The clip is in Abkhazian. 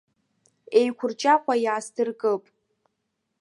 Еиқәырчаҟәа иаасдыркып.